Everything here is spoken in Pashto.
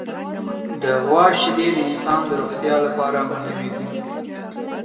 د غوا شیدې د انسان د روغتیا لپاره مهمې دي.